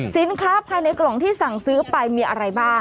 สินค้าภายในกล่องที่สั่งซื้อไปมีอะไรบ้าง